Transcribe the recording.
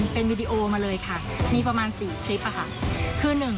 เป็นวีดีโอมาเลยค่ะมีประมาณ๔คลิปค่ะ